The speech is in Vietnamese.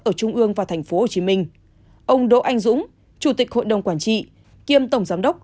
ở trung ương và tp hcm ông đỗ anh dũng chủ tịch hội đồng quản trị kiêm tổng giám đốc